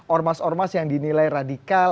ormas ormas yang dinilai radikal